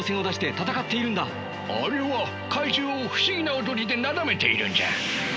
あれは怪獣を不思議な踊りでなだめているんじゃ。